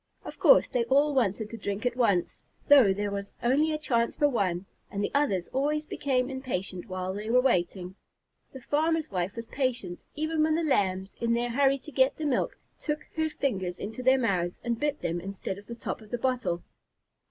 Of course they all wanted to drink at once, though there was only a chance for one, and the others always became impatient while they were waiting. The farmer's wife was patient, even when the Lambs, in their hurry to get the milk, took her fingers into their mouths and bit them instead of the top of the bottle.